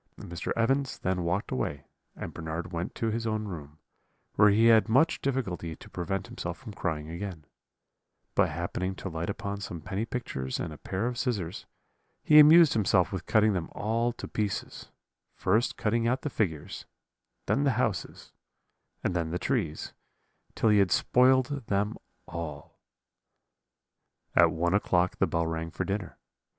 "Mr. Evans then walked away, and Bernard went to his own room, where he had much difficulty to prevent himself from crying again; but happening to light upon some penny pictures and a pair of scissors, he amused himself with cutting them all to pieces; first cutting out the figures, then the houses, and then the trees, till he had spoiled them all. "At one o'clock the bell rang for dinner.